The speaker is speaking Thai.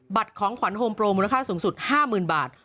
ของขวัญโฮมโปรมูลค่าสูงสุด๕๐๐๐บาท